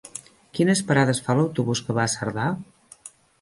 Quines parades fa l'autobús que va a Cerdà?